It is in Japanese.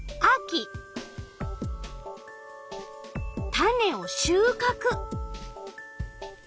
種をしゅうかく。